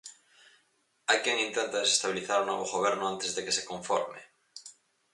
Hai quen intenta desestabilizar o novo goberno antes de que se conforme.